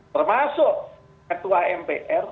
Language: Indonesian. termasuk ketua mpr